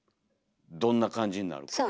どんな感じになるか。